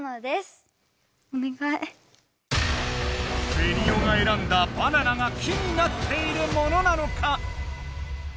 ベニオがえらんだバナナが木になっているものなのか？